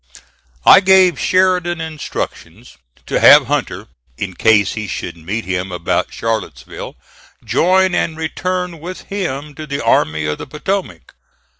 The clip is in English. I gave Sheridan instructions to have Hunter, in case he should meet him about Charlottesville, join and return with him to the Army of the Potomac.